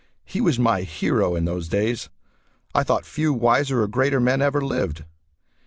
He was my hero in those days. I thought few wiser or greater men ever lived.